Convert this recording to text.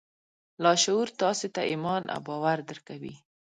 لاشعور تاسې ته ایمان او باور درکوي